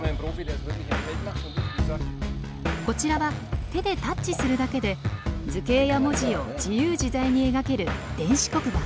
こちらは手でタッチするだけで図形や文字を自由自在に描ける電子黒板。